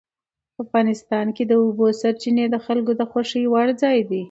افغانستان کې د اوبو سرچینې د خلکو د خوښې وړ ځای دی.